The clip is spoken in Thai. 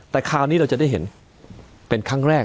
แต่คราวนี้เราจะได้เห็นเป็นครั้งแรก